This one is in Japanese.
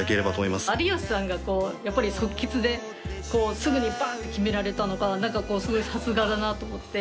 有吉さんがやっぱり即決ですぐにバッて決められたのがさすがだなと思って。